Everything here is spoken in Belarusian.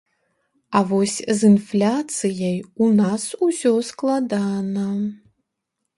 А вось з інфляцыяй у нас усё складана.